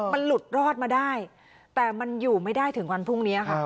มันหลุดรอดมาได้แต่มันอยู่ไม่ได้ถึงวันพรุ่งนี้ค่ะ